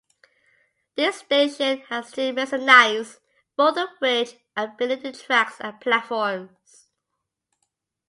This station has two mezzanines, both of which are beneath the tracks and platforms.